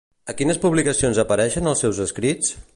A quines publicacions apareixen els seus escrits?